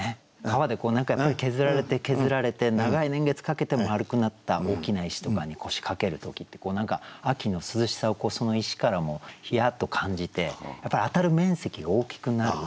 川で何回も削られて削られて長い年月かけて丸くなった大きな石とかに腰掛ける時って何か秋の涼しさをその石からもひやっと感じてやっぱり当たる面積が大きくなる。